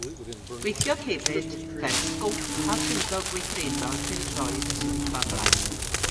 Gweithiodd hefyd fel sgowt a swyddog gweithredol pêl-droed y swyddfa flaen.